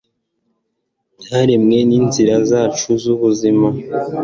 byaremwe n'inzira zacu z'ubuzima